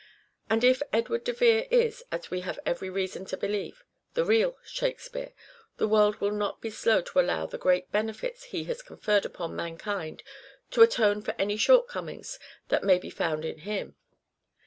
And if Edward de Vere is, as we have every reason to believe, the real " Shakespeare," the world will not be slow to allow the great benefits he has conferred upon mankind to atone for any shortcomings that may be found in him.